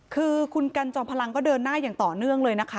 คือคุณกันจอมพลังก็เดินหน้าอย่างต่อเนื่องเลยนะคะ